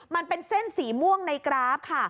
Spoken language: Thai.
มันเป็นเส้นสีม่วงในกราฟค่ะ